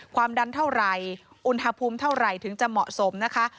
ความดันเท่าไหร่อุณหภูมิเท่าไหร่ถึงจะเหมาะสมนะคะ